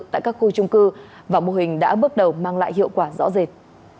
tại các khu trung cư và mô hình đã bước đầu mang lại hiệu quả rõ rệt